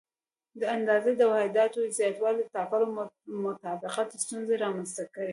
د اندازې د واحداتو زیاتوالي د ټاکلو او مطابقت ستونزې رامنځته کړې.